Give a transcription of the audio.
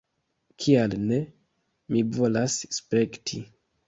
Kial ne? Mi volas spekti